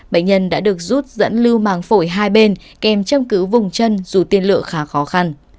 bệnh nhân đã được rút dẫn lưu màng phổi hai bên kèm trong cứu vùng chân dù tiên lượng khá khó khăn